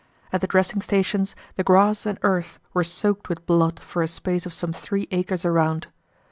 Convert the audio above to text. At the dressing stations the grass and earth were soaked with blood for a space of some three acres around.